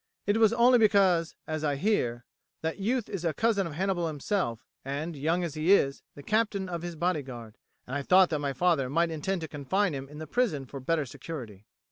"It was only because, as I hear, that youth is a cousin of Hannibal himself, and, young as he is, the captain of his bodyguard, and I thought that my father might intend to confine him in the prison for better security."